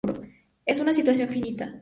Es una situación finita".